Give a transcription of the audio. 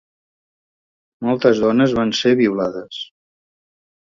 Moltes dones van ser violades.